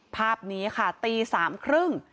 ภาพนี้ค่ะตีสามครึ่ง